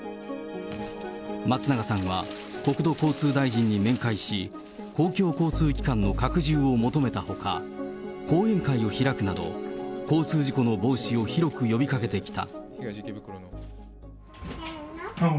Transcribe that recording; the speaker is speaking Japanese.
松永さんは国土交通大臣に面会し、公共交通機関の拡充を求めたほか、講演会を開くなど、交通事故の防止を広く呼びかけてきた。